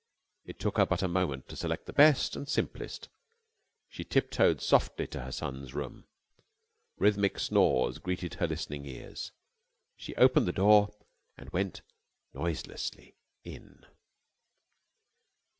It took her but a moment to select the best and simplest. She tip toed softly to her son's room. Rhythmic snores greeted her listening ears. She opened the door and went noiselessly in.